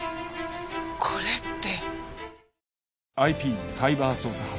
これって！